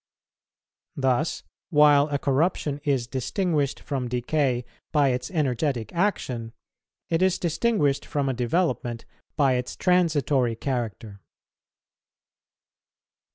Thus, while a corruption is distinguished from decay by its energetic action, it is distinguished from a development by its transitory character. 4.